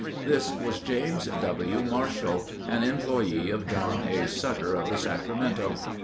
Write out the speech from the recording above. This was James W. Marshall, an employee of John A. Sutter of the Sacramento.